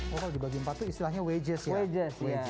kalau dibagi empat itu istilahnya wedges ya